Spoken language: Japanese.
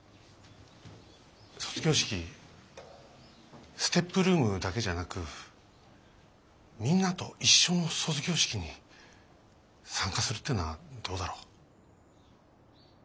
卒業式ＳＴＥＰルームだけじゃなくみんなと一緒の卒業式に参加するっていうのはどうだろ。